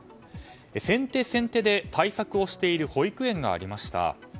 先手、先手で対策をしている保育園がありました。